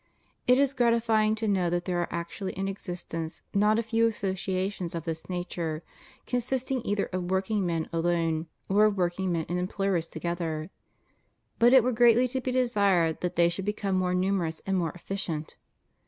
It is gratifying to know that there are actually in existence not a few associa tions of this nature, consisting either of workmen alone, or of workmen and employers together; but it were greatly to be desired that they should become more numerous and more efficient.